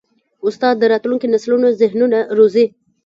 استاد د راتلونکي نسلونو ذهنونه روزي.